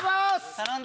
頼んだ！